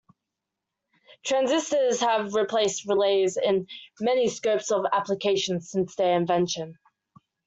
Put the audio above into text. Transistors have replaced relays in many scopes of application since their invention.